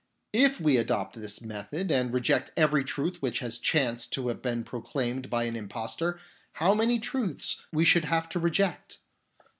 If we adopt this method and reject every truth which has chanced to have been proclaimed by an im postor, how many truths we should have to reject